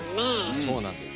そうなんです。